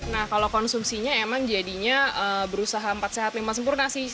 nah kalau konsumsinya emang jadinya berusaha empat sehat lima sempurna sih